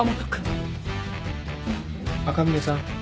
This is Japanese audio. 赤嶺さん